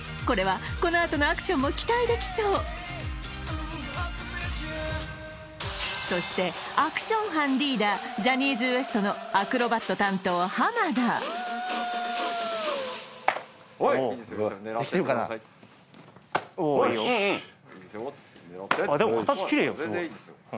これはこのあとのアクションも期待できそうそしてアクション班リーダージャニーズＷＥＳＴのアクロバット担当田おいいですよ